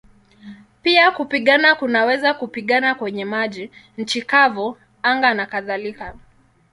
Pia kupigana kunaweza kupigana kwenye maji, nchi kavu, anga nakadhalika.